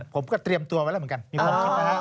ผมก็เตรียมตัวไว้แล้วเหมือนกัน